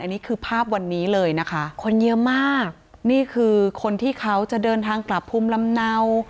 อันนี้คือภาพวันนี้เลยนะคะคนเยอะมากนี่คือคนที่เขาจะเดินทางกลับภูมิลำเนา